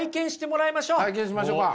体験しましょうか。